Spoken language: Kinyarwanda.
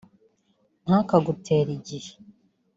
ntakagutere igihe…